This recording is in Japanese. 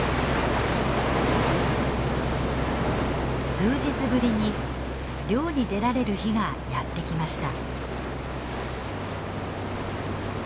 数日ぶりに漁に出られる日がやってきました。